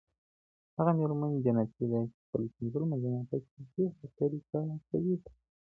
هغه ميرمن جنتي ده، چي خپل پنځه لمونځونه په صحيحه طريقه کوي.